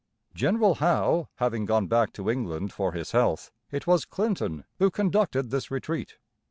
General Howe having gone back to England for his health, it was Clinton who conducted this retreat.